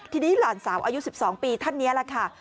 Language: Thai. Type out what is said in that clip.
ทีนี้หลานสาวอายุ๑๒ปีท่านนี้แหละค่ะ